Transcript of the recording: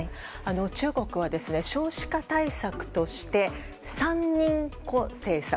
中国は、少子化対策として三人っ子政策。